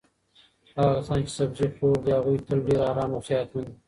هغه کسان چې سبزي خور دي هغوی تل ډېر ارام او صحتمند وي.